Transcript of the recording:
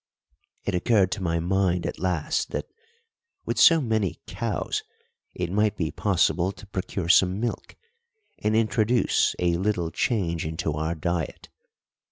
It occurred to my mind at last that, with so many cows, it might be possible to procure some milk and introduce a little change into our diet.